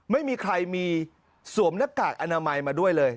ไม่มีใครมีสวมหน้ากากอนามัยมาด้วยเลย